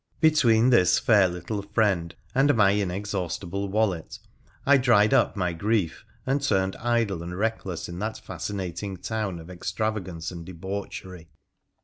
Between this fair little friend and my inexhaustible wallet I dried up my grief, and turned idle and reckless in that fasci nating town of extravagance and debauchery.